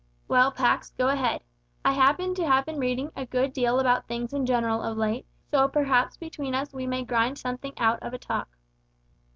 "Well, Pax, go ahead. I happen to have been reading a good deal about things in general of late, so perhaps between us we may grind something out of a talk."